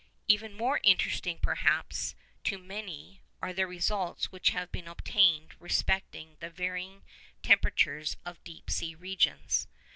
' Even more interesting, perhaps, to many, are the results which have been obtained respecting the varying temperatures of deep sea regions.